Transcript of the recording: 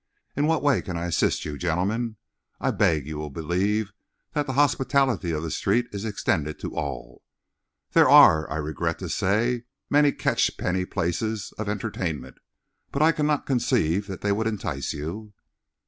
In what way can I assist you, gentlemen? I beg you will believe that the hospitality of the street is extended to all. There are, I regret to say, many catchpenny places of entertainment, but I cannot conceive that they would entice you."